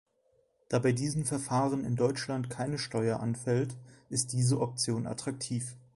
Da bei diesen Verfahren in Deutschland keine Steuer anfällt, ist diese Option attraktiv.